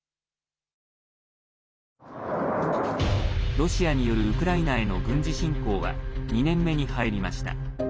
ロシアによるウクライナへの軍事侵攻は２年目に入りました。